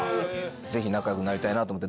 ぜひ仲良くなりたいなと思って。